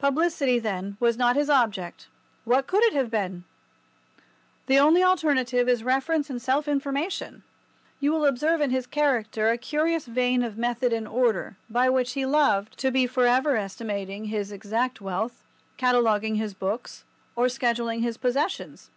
Publicity, then, was not his object. What could it have been? The only alternative is reference and self information. You will observe in his character a curious vein of method and order, by which he loved, to be for ever estimating his exact wealth, cataloguing his books, or scheduling his possessions.